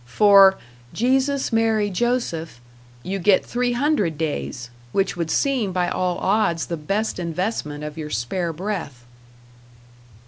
For "Jesus, Mary, Joseph," you get three hundred days which would seem by all odds the best investment of your spare breath.